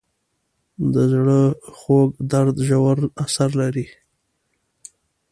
د زړه خوږ درد ژور اثر لري.